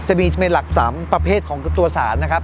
จะเป็นหลัก๓ประเภทของตัวสารนะครับ